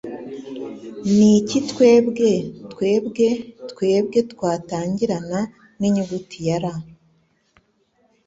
Niki Twebwe Twebwe Twebwe Twatangirana ninyuguti L?